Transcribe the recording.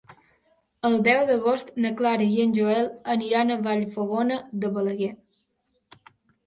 El deu d'agost na Clara i en Joel aniran a Vallfogona de Balaguer.